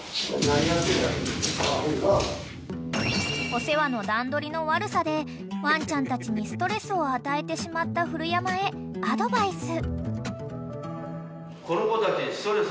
［お世話の段取りの悪さでワンちゃんたちにストレスを与えてしまった古山へアドバイス］